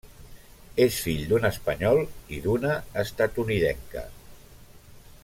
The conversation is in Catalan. És fill d'un espanyol i d'una estatunidenca.